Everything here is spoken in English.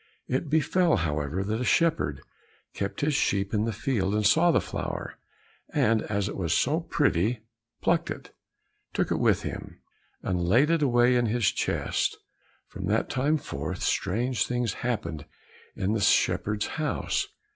It befell, however, that a shepherd kept his sheep in the field, and saw the flower, and as it was so pretty, plucked it, took it with him, and laid it away in his chest. From that time forth, strange things happened in the shepherd's house.